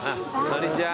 こんにちは。